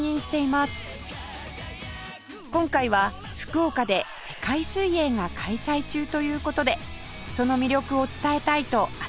今回は福岡で世界水泳が開催中という事でその魅力を伝えたいと遊びに来てくれました